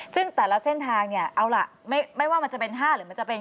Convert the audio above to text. ซึ่งแต่ละเส้นทางเนี่ยเอาล่ะไม่ว่ามันจะเป็น๕หรือมันจะเป็น